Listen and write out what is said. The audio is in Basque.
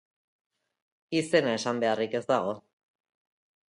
Izena esan beharrik ez dago.